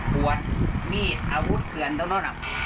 ขวดมีดอาวุธเผื่อนทั้งนั้นอะ